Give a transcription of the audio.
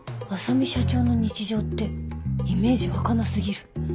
浅海社長の日常ってイメージ湧かな過ぎる。